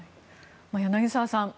柳澤さん